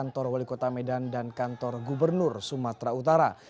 kantor wali kota medan dan kantor gubernur sumatera utara